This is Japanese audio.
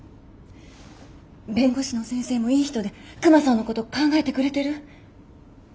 弁護士の先生もいい人でクマさんのこと考えてくれてる。